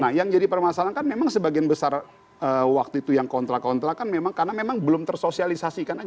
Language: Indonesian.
nah yang jadi permasalahan kan memang sebagian besar waktu itu yang kontra kontra kan memang karena memang belum tersosialisasikan aja